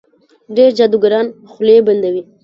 ډېر جادوګران خولې بندوي.